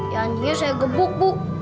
ya anjingnya saya gebuk bu